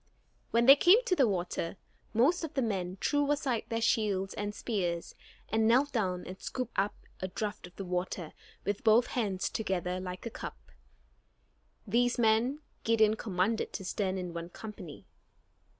When they came to the water, most of the men threw aside their shields and spears, and knelt down and scooped up a draft of the water with both hands together like a cup. These men Gideon commanded to stand in one company.